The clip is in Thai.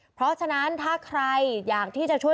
เพราะฉะนั้นถ้าใครอยากที่จะช่วย